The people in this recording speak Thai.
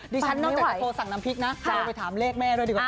ฉันนอกจากจะโทรสั่งน้ำพริกนะโทรไปถามเลขแม่ด้วยดีกว่า